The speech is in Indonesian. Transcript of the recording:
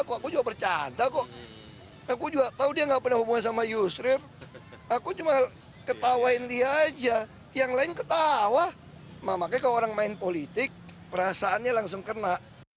makanya kalau orang main politik perasaannya langsung kena